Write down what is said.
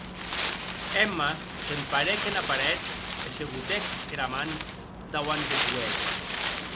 Emma s’emparèc ena paret e se botèc era man dauant des uelhs.